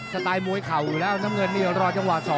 สไตล์มวยเข่าอยู่แล้วน้ำเงินนี่รอจังหวะ๒